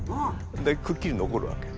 でくっきり残るわけ。